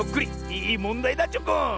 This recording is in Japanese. いいもんだいだチョコン！